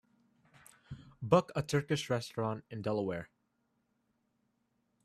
book a turkish restaurant in Delaware